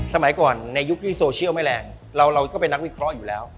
สมัยก่อนในยุคที่โซเชียลไม่แรงเราก็เป็นนักวิเคราะห์อยู่แล้ว